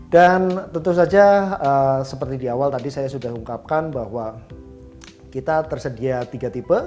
dan tentu saja seperti di awal tadi saya sudah mengungkapkan bahwa kita tersedia tiga tipe